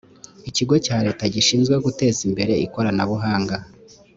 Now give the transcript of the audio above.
ikigo cya leta gishinzwe guteza imbere ikoranabuhanga